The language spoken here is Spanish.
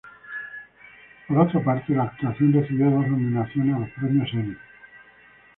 Por otra parte, la actuación recibió dos nominaciones a los premios Emmy.